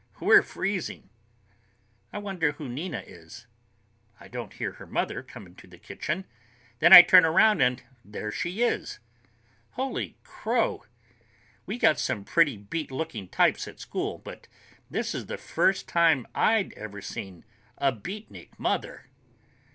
We're freezing." I wonder who Nina is. I don't hear her mother come into the kitchen. Then I turn around and there she is. Holy crow! We got some pretty beat looking types at school, but this is the first time I've ever seen a beatnik mother.